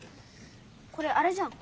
これあれじゃん。